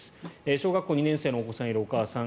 小学校２年生のお子さんがいるお母さん。